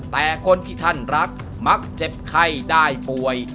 แต่คนที่ท่านรักมักเจ็บไข้ได้ป่วย